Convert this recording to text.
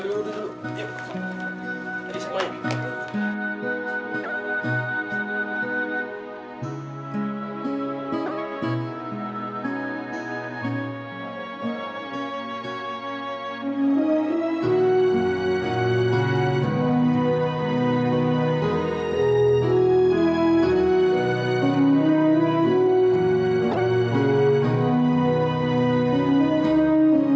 yuk ayo semuanya